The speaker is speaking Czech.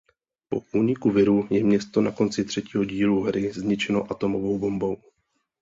Po úniku virů je město na konci třetího dílu hry zničeno atomovou bombou.